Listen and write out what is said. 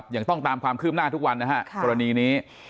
อย่างต้องตามความคลืมหน้าทุกวันกรณีนี้